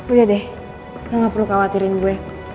oh ya deh karena gak perlu khawatirin gue